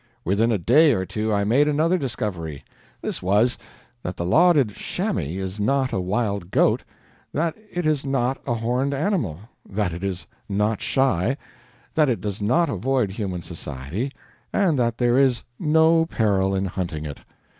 Within a day or two I made another discovery. This was, that the lauded chamois is not a wild goat; that it is not a horned animal; that it is not shy; that it does not avoid human society; and that there is no peril in hunting it.